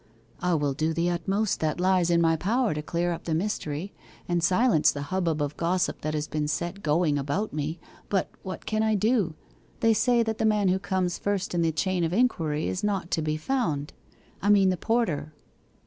'I will do the utmost that lies in my power to clear up the mystery, and silence the hubbub of gossip that has been set going about me. But what can I do? They say that the man who comes first in the chain of inquiry is not to be found I mean the porter.